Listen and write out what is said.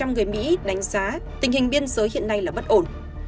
bốn mươi năm người mỹ đánh giá tình hình biên giới hiện nay là bất ổn